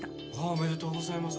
おめでとうございます。